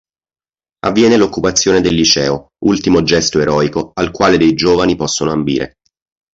Avviene l'occupazione del liceo, ultimo gesto eroico al quale dei giovani possono ambire.